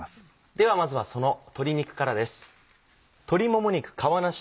ではまずはその鶏肉からです。